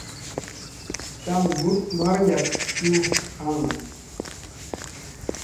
Taŋ mbut mariyat zu an.